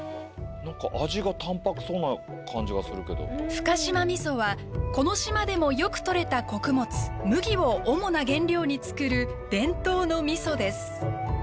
深島みそはこの島でもよくとれた穀物麦を主な原料に造る伝統のみそです。